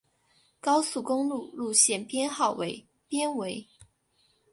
高速公路路线编号被编为。